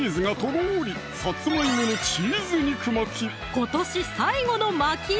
今年最後の巻きよ！